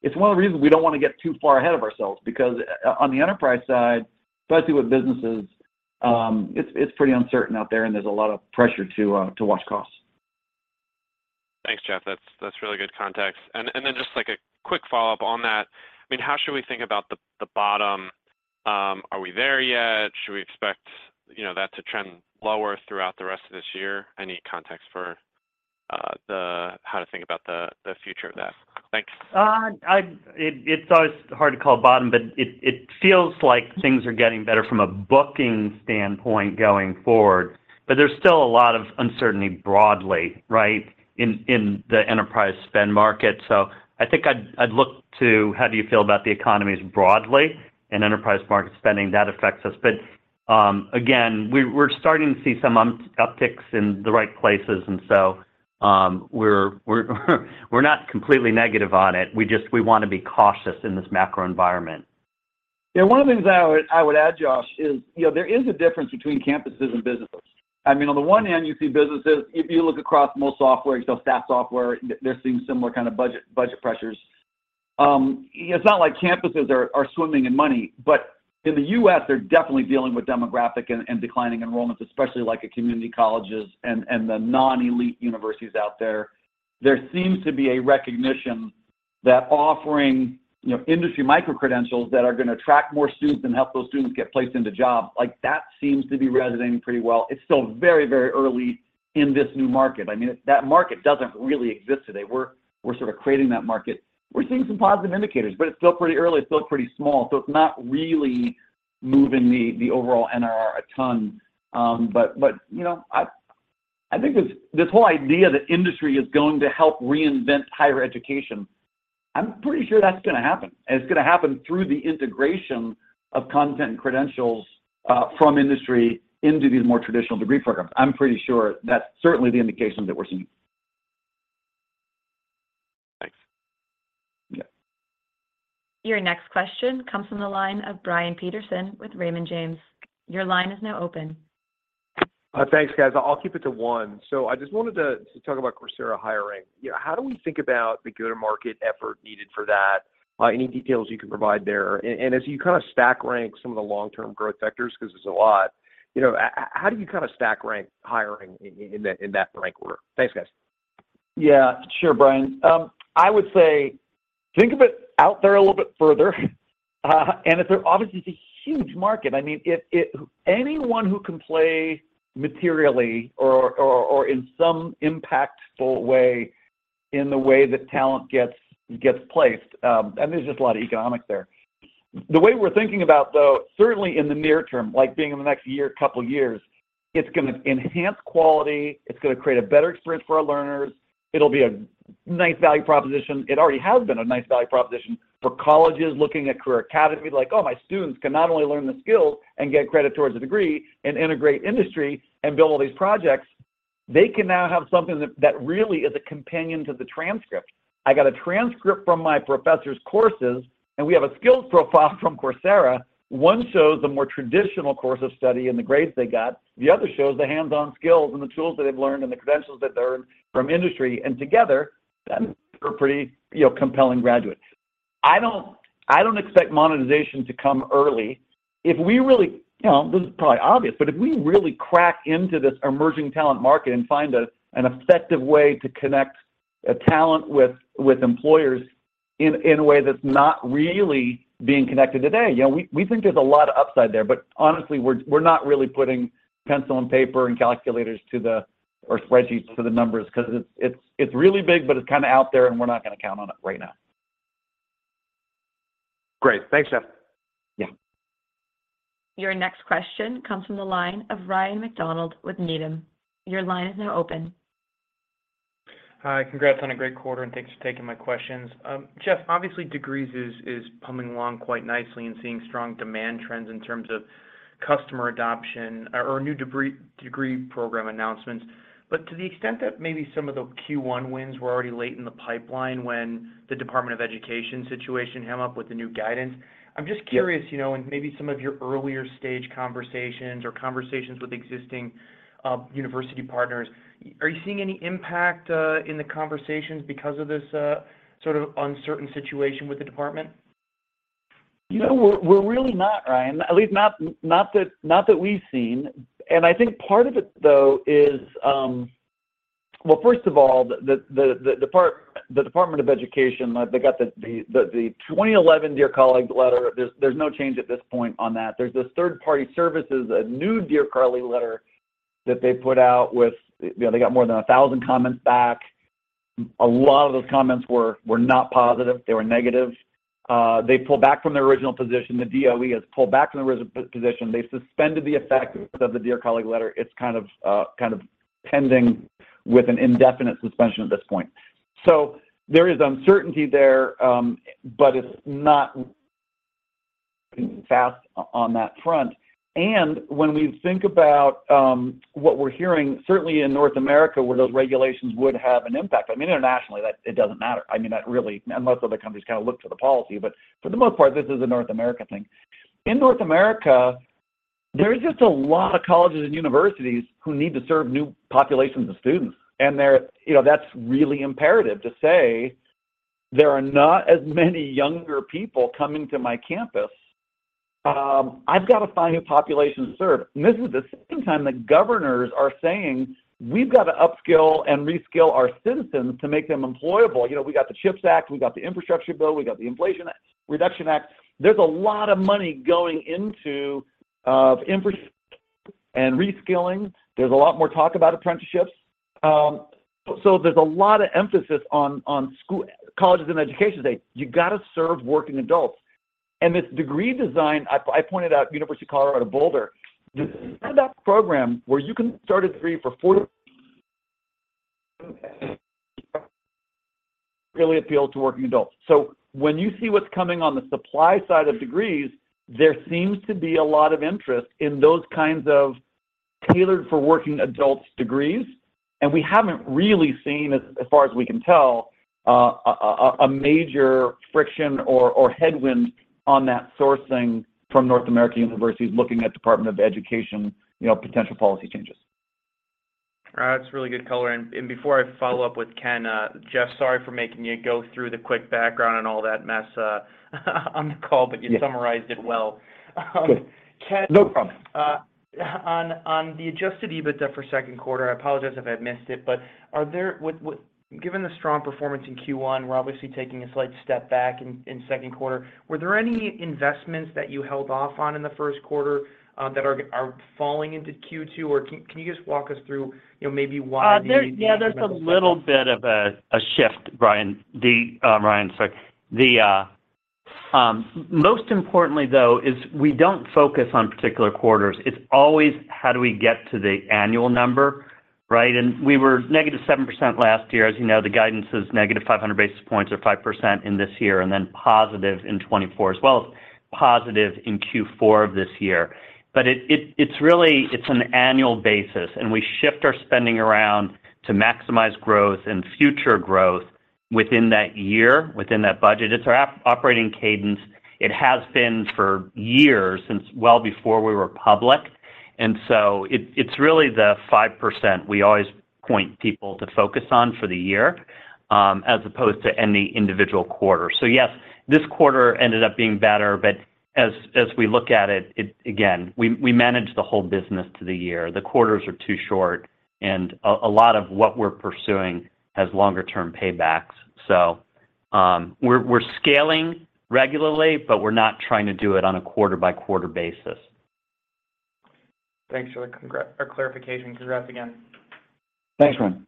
it's one of the reasons we don't wanna get too far ahead of ourselves because on the enterprise side, especially with businesses, it's pretty uncertain out there, and there's a lot of pressure to watch costs. Thanks, Jeff. That's really good context. Just like a quick follow-up on that. I mean, how should we think about the bottom? Are we there yet? Should we expect, you know, that to trend lower throughout the rest of this year? Any context how to think about the future of that? Thanks. It's always hard to call a bottom, but it feels like things are getting better from a booking standpoint going forward. There's still a lot of uncertainty broadly, right, in the enterprise spend market. I think I'd look to how do you feel about the economies broadly and enterprise market spending, that affects us. Again, we're starting to see some upticks in the right places and so we're not completely negative on it. We just, we wanna be cautious in this macro environment. One of the things I would add, Josh, is, you know, there is a difference between campuses and businesses. I mean, on the one hand you see businesses, if you look across most software, you sell staff software, they're seeing similar kind of budget pressures. It's not like campuses are swimming in money. In the U.S. they're definitely dealing with demographic and declining enrollments, especially like at community colleges and the non-elite universities out there. There seems to be a recognition that offering, you know, industry micro-credentials that are gonna attract more students and help those students get placed into jobs, like that seems to be resonating pretty well. It's still very, very early in this new market. I mean, that market doesn't really exist today. We're sort of creating that market. We're seeing some positive indicators, but it's still pretty early, it's still pretty small, so it's not really moving the overall NRR a ton. You know, I think this whole idea that industry is going to help reinvent higher education, I'm pretty sure that's gonna happen, and it's gonna happen through the integration of content and credentials from industry into these more traditional degree programs. I'm pretty sure that's certainly the indication that we're seeing. Thanks. Yeah. Your next question comes from the line of Brian Peterson with Raymond James. Your line is now open. Thanks, guys. I'll keep it to one. I just wanted to talk about Coursera hiring. You know, how do we think about the go-to-market effort needed for that? Any details you can provide there? As you kind of stack rank some of the long-term growth vectors, 'cause there's a lot, you know, how do you kind of stack rank hiring in that rank order? Thanks, guys. Yeah. Sure, Brian. I would say think of it out there a little bit further. Obviously it's a huge market. I mean, anyone who can play materially or in some impactful way in the way that talent gets placed, I mean, there's just a lot of economics there. The way we're thinking about though, certainly in the near term, like being in the next year, couple years, it's going to enhance quality, it's going to create a better experience for our learners. It'll be a nice value proposition. It already has been a nice value proposition for colleges looking at Career Academy, like, "Oh, my students can not only learn the skills and get credit towards a degree and integrate industry and build all these projects, they can now have something that really is a companion to the transcript. I got a transcript from my professor's courses, and we have a skills profile from Coursera. One shows the more traditional course of study and the grades they got, the other shows the hands-on skills and the tools that they've learned and the credentials that they earned from industry, and together that's a pretty, you know, compelling graduate." I don't expect monetization to come early. If we really, you know, this is probably obvious, but if we really crack into this emerging talent market and find an effective way to connect talent with employers in a way that's not really being connected today, you know, we think there's a lot of upside there, but honestly we're not really putting pencil and paper and calculators or spreadsheets to the numbers 'cause it's really big, but it's kinda out there and we're not gonna count on it right now. Great. Thanks, Jeff. Yeah. Your next question comes from the line of Ryan MacDonald with Needham. Your line is now open. Hi. Congrats on a great quarter and thanks for taking my questions. Jeff, obviously Degrees is humming along quite nicely and seeing strong demand trends in terms of customer adoption or new degree program announcements. To the extent that maybe some of the Q1 wins were already late in the pipeline when the Department of Education situation came up with the new guidance. I'm just curious, you know, in maybe some of your earlier stage conversations or conversations with existing university partners, are you seeing any impact in the conversations because of this sort of uncertain situation with the department? You know, we're really not, Ryan. At least not that we've seen. I think part of it though is, Well, first of all, the Department of Education, they got the 2011 Dear Colleague Letter. There's no change at this point on that. There's this third party services, a new Dear Colleague Letter that they put out with, you know, they got more than 1,000 comments back. A lot of those comments were not positive. They were negative. They pulled back from their original position. The DOE has pulled back from the position. They suspended the effect of the Dear Colleague Letter. It's kind of pending with an indefinite suspension at this point. There is uncertainty there, but it's not fast on that front. When we think about what we're hearing, certainly in North America where those regulations would have an impact, I mean, internationally, that it doesn't matter. I mean, not really, unless other countries kind of look to the policy, but for the most part, this is a North America thing. In North America, there's just a lot of colleges and universities who need to serve new populations of students. They're, you know, that's really imperative to say, "There are not as many younger people coming to my campus. I've got to find a population to serve." This is the same time that governors are saying, "We've got to upskill and reskill our citizens to make them employable." You know, we got the CHIPS Act, we got the Infrastructure Bill, we got the Inflation Reduction Act. There's a lot of money going into reskilling, there's a lot more talk about apprenticeships. There's a lot of emphasis on colleges and education today. You got to serve working adults. This degree design, I pointed out University of Colorado Boulder, they have that program where you can start a degree for $40 really appeal to working adults. When you see what's coming on the supply side of degrees, there seems to be a lot of interest in those kinds of tailored-for-working-adults degrees. We haven't really seen, as far as we can tell, a major friction or headwind on that sourcing from North American universities looking at Department of Education, you know, potential policy changes. That's really good color. Before I follow up with Ken, Jeff, sorry for making you go through the quick background and all that mess, on the call. Yes. you summarized it well. Good. Ken- No problem. On the adjusted EBITDA for second quarter, I apologize if I've missed it. Given the strong performance in Q1, we're obviously taking a slight step back in second quarter. Were there any investments that you held off on in the first quarter that are falling into Q2? Or can you just walk us through, maybe why the... There's a little bit of a shift, Brian. Ryan, sorry. Most importantly, though, is we don't focus on particular quarters. It's always, how do we get to the annual number, right? We were negative 7% last year. As you know, the guidance is negative 500 basis points or 5% in this year, then positive in 2024, as well as positive in Q4 of this year. It's really an annual basis, and we shift our spending around to maximize growth and future growth within that year, within that budget. It's our operating cadence. It has been for years since well before we were public. It's really the 5% we always point people to focus on for the year, as opposed to any individual quarter. Yes, this quarter ended up being better, but as we look at it, again, we manage the whole business to the year. The quarters are too short, and a lot of what we're pursuing has longer term paybacks. We're scaling regularly, but we're not trying to do it on a quarter-by-quarter basis. Thanks for the clarification. Congrats again. Thanks, Ryan.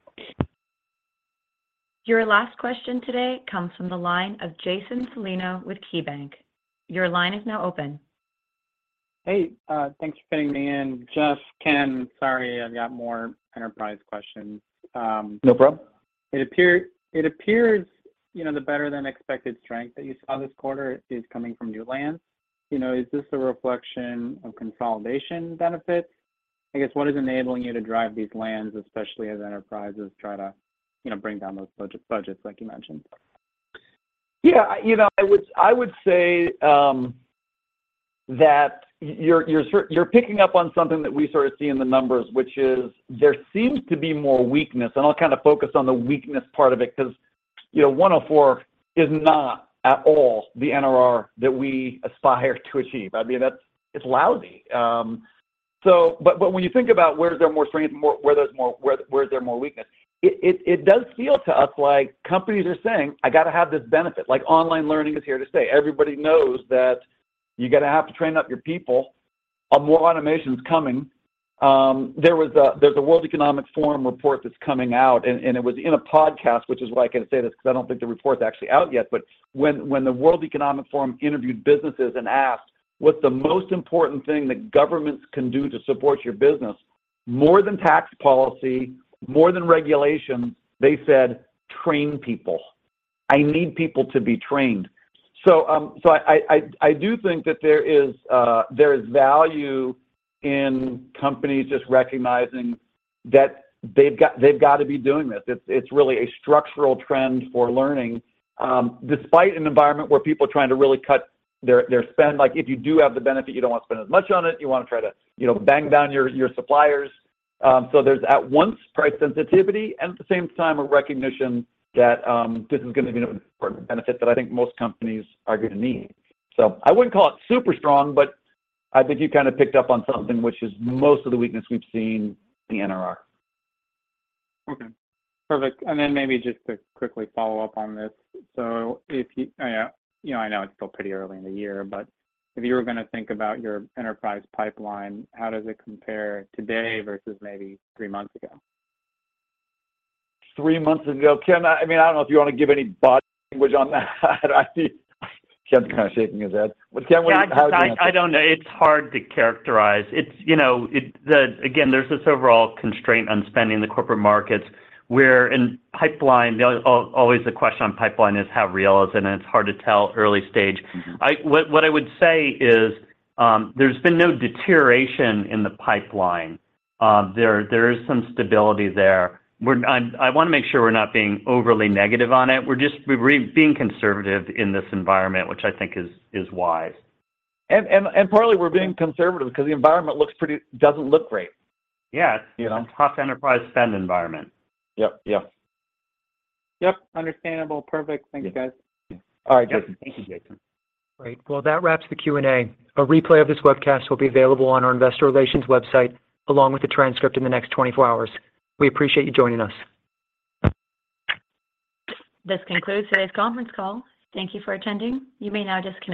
Your last question today comes from the line of Jason Celino with KeyBanc. Your line is now open. Hey, thanks for fitting me in. Jeff, Ken, sorry, I've got more enterprise questions. No problem. It appears, you know, the better-than-expected strength that you saw this quarter is coming from new lands. You know, is this a reflection of consolidation benefits? I guess, what is enabling you to drive these lands, especially as enterprises try to, you know, bring down those budgets like you mentioned? Yeah, you know, I would, I would say, you're picking up on something that we sort of see in the numbers, which is there seems to be more weakness. I'll kind of focus on the weakness part of it because, you know, 104 is not at all the NRR that we aspire to achieve. I mean, that's, it's lousy. When you think about where is there more strength and where is there more weakness, it does feel to us like companies are saying, "I got to have this benefit." Like, online learning is here to stay. Everybody knows that you're gonna have to train up your people. More automation's coming. There's a World Economic Forum report that's coming out and it was in a podcast, which is why I can say this, because I don't think the report's actually out yet. When the World Economic Forum interviewed businesses and asked what's the most important thing that governments can do to support your business? More than tax policy, more than regulation, they said, "Train people. I need people to be trained." So I do think that there is value in companies just recognizing that they've got to be doing this. It's really a structural trend for learning despite an environment where people are trying to really cut their spend. Like, if you do have the benefit, you don't want to spend as much on it. You want to try to, you know, bang down your suppliers. There's at once price sensitivity and at the same time a recognition that this is gonna be an important benefit that I think most companies are gonna need. I wouldn't call it super strong, but I think you kind of picked up on something, which is most of the weakness we've seen in the NRR. Okay. Perfect. Then maybe just to quickly follow up on this. If you know, I know it's still pretty early in the year, but if you were gonna think about your enterprise pipeline, how does it compare today versus maybe three months ago? Three months ago. Ken, I mean, I don't know if you want to give any body language on that. I see Ken's kind of shaking his head. Ken, How do you Yeah, I don't know. It's hard to characterize. It's, you know, again, there's this overall constraint on spending in the corporate markets where in pipeline, always the question on pipeline is how real is it, and it's hard to tell early stage. Mm-hmm. What I would say is, there's been no deterioration in the pipeline. There is some stability there. I wanna make sure we're not being overly negative on it. We're just, we're being conservative in this environment, which I think is wise. Partly we're being conservative because the environment doesn't look great. Yeah. You know? It's a tough enterprise spend environment. Yep, yep. Yep. Understandable. Perfect. Thanks, guys. All right, Jason. Yep. Thank you, Jason. Great. Well, that wraps the Q&A. A replay of this webcast will be available on our investor relations website, along with the transcript in the next 24 hours. We appreciate you joining us. This concludes today's conference call. Thank you for attending. You may now disconnect.